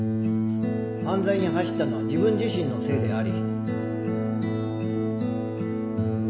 犯罪に走ったのは自分自身のせいであり。